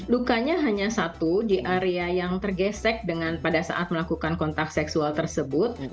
lukanya hanya satu di area yang tergesek dengan pada saat melakukan kontak seksual tersebut